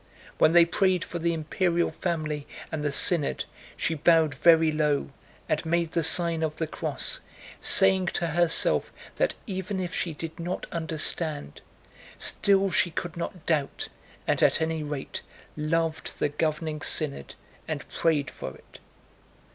When they prayed for the Imperial family and the Synod, she bowed very low and made the sign of the cross, saying to herself that even if she did not understand, still she could not doubt, and at any rate loved the governing Synod and prayed for it.